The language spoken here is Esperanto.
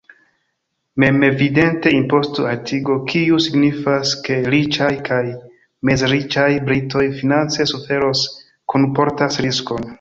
Memevidente imposto-altigo, kiu signifas, ke riĉaj kaj mezriĉaj britoj finance suferos, kunportas riskon.